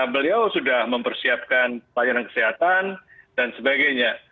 beliau sudah mempersiapkan pelayanan kesehatan dan sebagainya